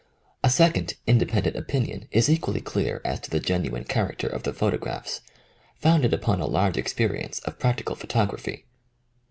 A second independent opinion is equally clear as to the genuine character of the photographs, founded upon a large experi ence of practical photography.